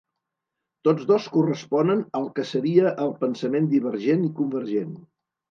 Tots dos corresponen al que seria el pensament divergent i convergent.